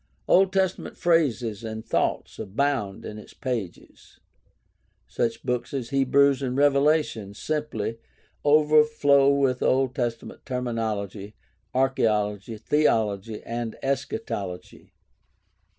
Old Testament phrases and thoughts abound in its pages. Such books as Hebrews and Revelation simply, overflow with Old Testament terminology, archaeology, theology, and escha tology.